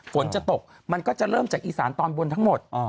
ฝนจะตกมันก็จะเริ่มจากอีสานตอนบนทั้งหมด